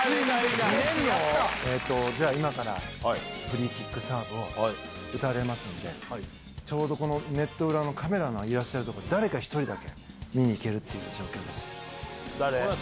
じゃあ、今からフリーキックサーブを打たれますので、ちょうどこのネット裏のカメラのいらっしゃるところ、誰か１人だ誰？